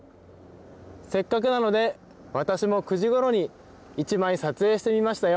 せっかくなので私も９時ごろに１枚撮影してみましたよ。